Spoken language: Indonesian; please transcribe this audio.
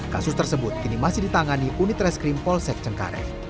kasus tersebut kini masih ditangani unit reskrim polsek cengkareng